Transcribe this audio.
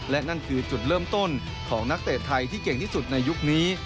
และนั่นคือจุดเริ่มต้นของนักเตะไทยที่เก่งที่สุดในยุคนี้